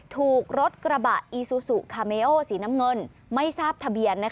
ถูกรถกระบะอีซูซูคาเมโอสีน้ำเงินไม่ทราบทะเบียน